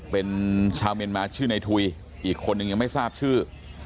เป็นชาวเมียนมาชื่อในทุยอีกคนนึงยังไม่ทราบชื่อ